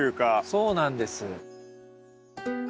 そうなんです。